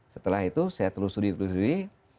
setelah itu saya telusuri telusuri